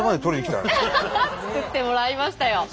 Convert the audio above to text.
作ってもらいましたよ。